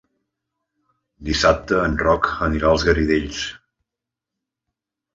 Dissabte en Roc anirà als Garidells.